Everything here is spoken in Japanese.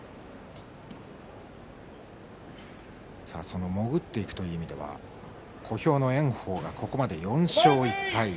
その潜っていくという意味では小兵の炎鵬はここまで４勝１敗。